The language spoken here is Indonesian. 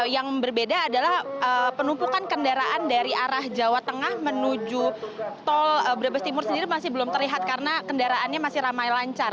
yang berbeda adalah penumpukan kendaraan dari arah jawa tengah menuju tol brebes timur sendiri masih belum terlihat karena kendaraannya masih ramai lancar